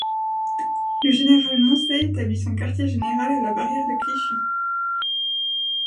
Le général Moncey établit son quartier général à la barrière de Clichy.